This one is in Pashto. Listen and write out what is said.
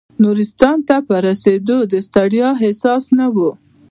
نورستان ته په رسېدو د ستړیا احساس نه و.